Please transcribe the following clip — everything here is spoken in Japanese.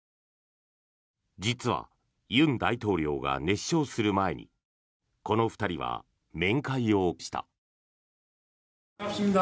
実は尹錫悦大統領が熱唱する前にこの２人は面会をした。